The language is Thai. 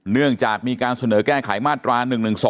เนื่องจากมีการเสนอแก้ไขมาตรา๑๑๒